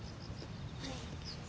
はい。